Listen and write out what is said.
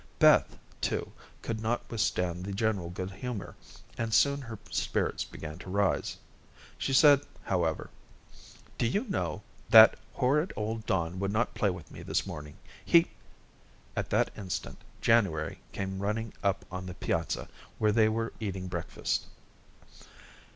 Beth, too, could not withstand the general good humor, and soon her spirits began to rise. She said, however: "Do you know, that horrid old Don would not play with me this morning. He " At that instant, January came running up on the piazza, where they were eating breakfast.